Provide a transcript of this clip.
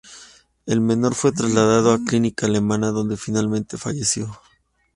El menor fue trasladado a la Clínica Alemana, donde finalmente falleció.